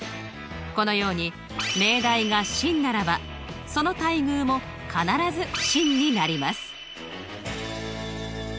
このように命題が真ならばその対偶も必ず真になります。